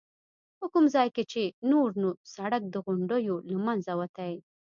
په کوم ځای کې چې نور نو سړک د غونډیو له منځه وتی.